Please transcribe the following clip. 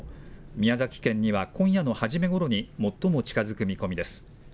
宮崎県には今夜の初め頃に最も近づく見込みです。